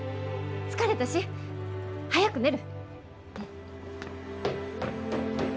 疲れたし早く寝る！